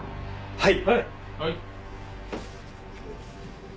はい！